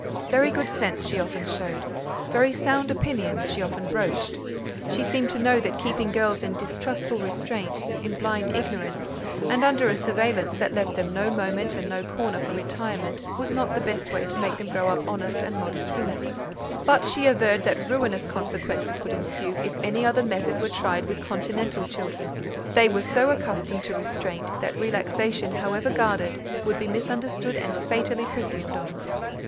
Very good sense she often showed; very sound opinions she often broached: she seemed to know that keeping girls in distrustful restraint, in blind ignorance, and under a surveillance that left them no moment and no corner for retirement, was not the best way to make them grow up honest and modest women; but she averred that ruinous consequences would ensue if any other method were tried with continental children: they were so accustomed to restraint, that relaxation, however guarded, would be misunderstood and fatally presumed on.